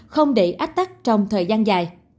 không để ách tắt trong thời gian dài